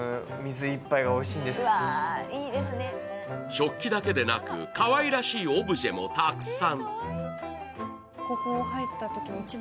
食器だけでなく、かわいらしいオブジェもたくさん。